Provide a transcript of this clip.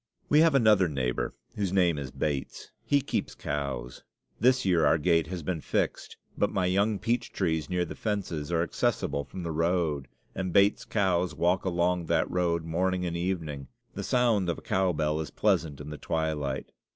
We have another neighbor, whose name is Bates; he keeps cows. This year our gate has been fixed; but my young peach trees near the fences are accessible from the road; and Bates's cows walk along that road morning and evening. The sound of a cow bell is pleasant in the twilight.